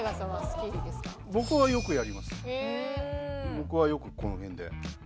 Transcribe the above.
僕はよくこの辺で。